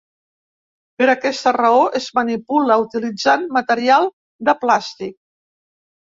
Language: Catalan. Per aquesta raó, es manipula utilitzant material de plàstic.